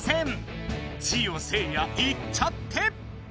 ジオせいやいっちゃって！